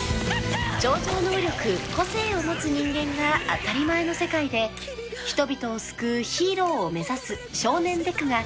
［超常能力個性を持つ人間が当たり前の世界で人々を救うヒーローを目指す少年デクが］